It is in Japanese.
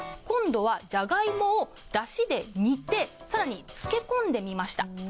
今度はジャガイモをだしで煮て更に漬け込んでみました。